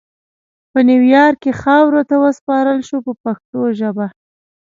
په نیویارک کې خاورو ته وسپارل شو په پښتو ژبه.